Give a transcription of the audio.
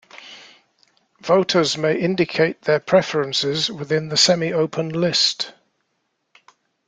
Voters may indicate their preferences within the semi-open list.